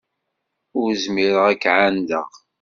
Ur zmireɣ ad k-ɛandeɣ.